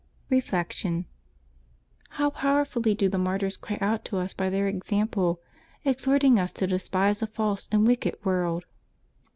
Reflection. — How powerfully do the martyrs cry out to us by their example, exhorting us to despise a false and wicked world!